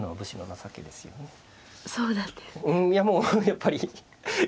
そうですね。